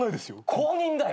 公認だよ。